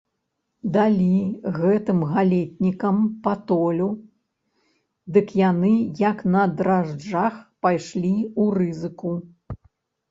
Далі гэтым галетнікам патолю, дык яны, як на дражджах, пайшлі ў рызыку.